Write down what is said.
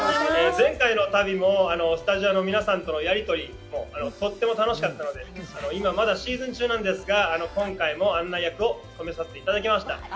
前回の旅もスタジオの皆さんとのやりとりもとっても楽しかったので、今、まだシーズン中なんですが、今回も案内役を務めさせていただきました。